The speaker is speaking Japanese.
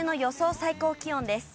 最高気温です。